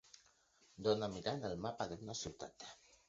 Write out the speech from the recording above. Dona mirant el mapa d'una ciutat.